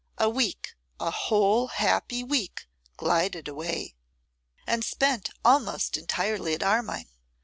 A week, a whole happy week glided away, and spent almost entirely at Armine.